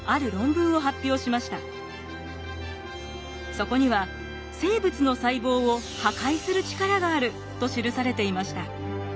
そこには「生物の細胞を破壊する力がある」と記されていました。